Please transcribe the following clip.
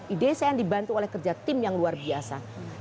ide saya yang dibantu oleh kerja tim yang luar biasa